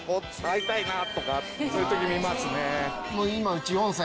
そういう時見ますね。